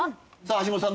橋本さん